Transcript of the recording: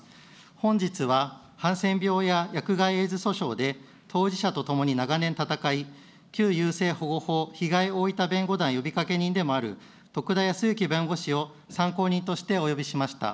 本日は、ハンセン病や薬害エイズ訴訟で当事者と共に長年闘い、旧優生保護法被害大分弁護団呼びかけ人でもある徳田靖之弁護士を参考人としてお呼びしました。